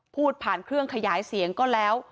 พูดผ่านเครื่องขยายเสียงก็แล้ว